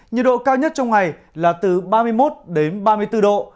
nhiệt độ cao nhất trong ngày là từ ba mươi một ba mươi bốn độ